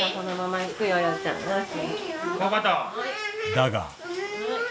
だが。